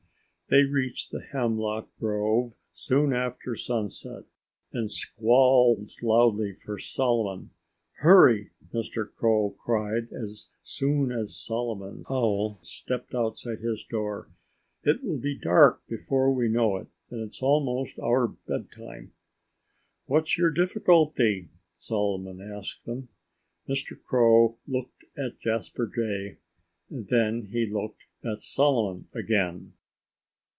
They reached the hemlock grove soon after sunset and squalled loudly for Solomon. "Hurry!" Mr. Crow cried, as soon as Solomon Owl stepped outside his door. "It will be dark before we know it; and it's almost our bedtime." "What's your difficulty?" Solomon asked them. Mr. Crow looked at Jasper Jay. And then he looked at Solomon again.